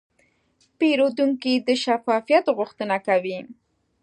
پیرودونکی د شفافیت غوښتنه کوي.